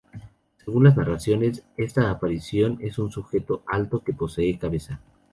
Según las narraciones, esta aparición es un sujeto alto que no posee cabeza.